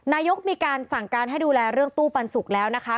นายกมีการสั่งการให้ดูแลเรื่องตู้ปันสุกแล้วนะคะ